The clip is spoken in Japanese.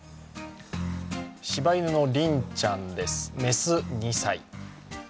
柴犬のりんちゃんです、雌２歳。